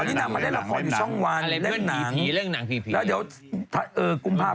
บิ๊กเอ็มปิศิษฐ์บุษพรม